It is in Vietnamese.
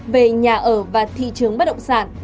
về nhà ở và thị trường bất động sản